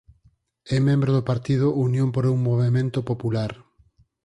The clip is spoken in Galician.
É membro do partido Unión por un Movemento Popular.